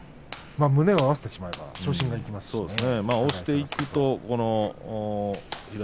胸を合わせてしまえば長身が生きます。